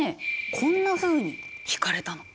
こんなふうに引かれたの。